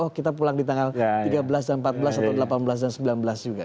oh kita pulang di tanggal tiga belas dan empat belas atau delapan belas dan sembilan belas juga